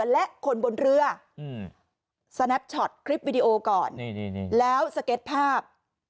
และคนบนเรือสแนปช็อตคลิปวิดีโอก่อนแล้วสเก็ตภาพ